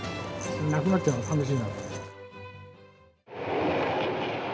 なくなっちゃうのは寂しいなと。